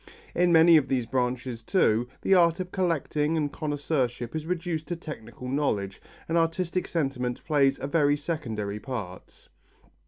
In many of these branches, too, the art of collecting and connoisseurship is reduced to technical knowledge and artistic sentiment plays a very secondary part.